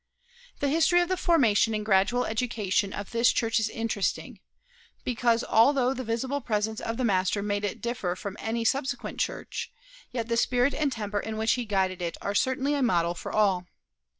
The history of the formation and gradual education of this church is interesting, because, although the visible presence of the Master made it differ from any subsequent church, yet the spirit and temper in which he guided it are certainly a model for all.